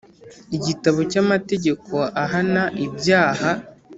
igitabo cy Amategeko ahana ibyaha